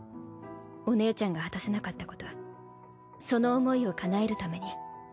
お姉ちゃんが果たせなかったことその思いをかなえるために。